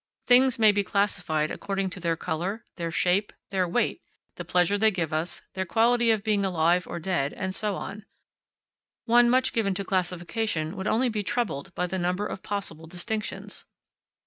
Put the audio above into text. Things may be classified according to their colour, their shape, their weight, the pleasure they give us, their quality of being alive or dead, and so on; one much given to classification would only be troubled by the number of possible distinctions.